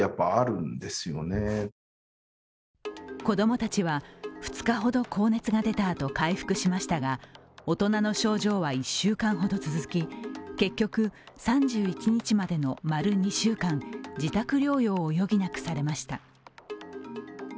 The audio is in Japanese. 子供たちは２日ほど高熱が出たあと回復しましたが、大人の症状は１週間ほど続き、結局、３１日までの丸２週間自宅療養を余儀なくされました。